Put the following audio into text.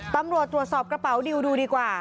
ตรวจสอบกระเป๋าดิวดูดีกว่า